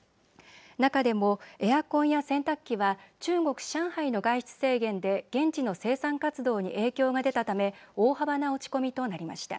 中でもエアコンや洗濯機は中国・上海の外出制限で現地の生産活動に影響が出たため大幅な落ち込みとなりました。